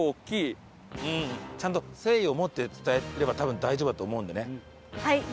ちゃんと誠意を持って伝えれば多分大丈夫だと思うんでね。